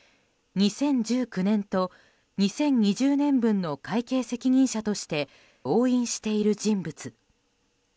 ２０１９年と２０２０年分の会計責任者として押印している人物。